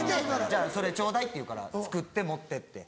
「それちょうだい」って言うから作って持ってって。